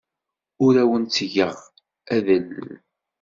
Ur awen-ttgeɣ adellel.